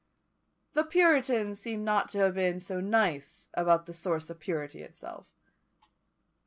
The puritans seem not to have been so nice about the source of purity itself.